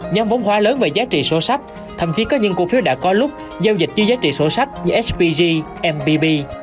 nhằm vốn hóa lớn về giá trị số sách thậm chí có những cổ phiếu đã có lúc giao dịch dưới giá trị số sách như hpg mpb